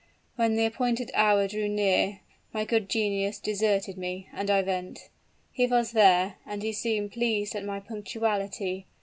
When the appointed hour drew near, my good genius deserted me; and I went. He was there, and he seemed pleased at my punctuality.